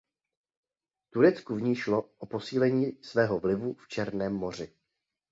Turecku v ní šlo o posílení svého vlivu v Černém moři.